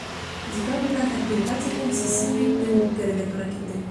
Декабрҙән апрелгә тиклем сисенмәй төн үткәрергә тура килде.